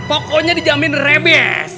pokoknya dijamin rebis